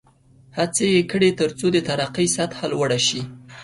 هڅې یې کړې ترڅو د ترقۍ سطحه لوړه شي.